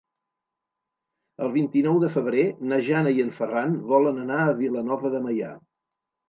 El vint-i-nou de febrer na Jana i en Ferran volen anar a Vilanova de Meià.